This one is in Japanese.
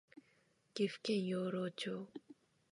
岐阜県養老町